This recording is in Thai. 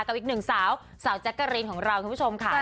กับอีกหนึ่งสาวสาวแจ๊กกะรีนของเราคุณผู้ชมค่ะ